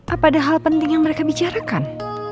apa ada hal penting yang mereka bicarakan